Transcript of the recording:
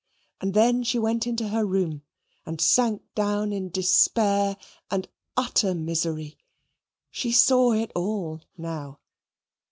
And then she went into her room, and sank down in despair and utter misery. She saw it all now.